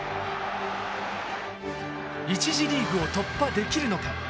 １次リーグを突破できるのか？